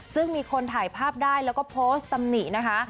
ซึ่งมีคนถ่ายภาพได้แล้วก็โพสต์ตำหนินะคะ